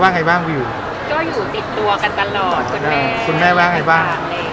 ความให้แบบหมายถึงว่าครอบครัว